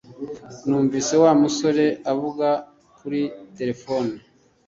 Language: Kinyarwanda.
Numvise Wa musore avuga kuri terefone